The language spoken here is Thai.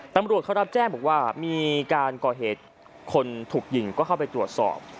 ตำรวจเขารับแจ้งบอกว่ามีการก่อเหตุคนถูกยิงก็เข้าไปตรวจสอบ